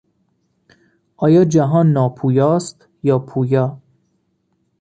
آیا جهان ناپویا است یا پویا؟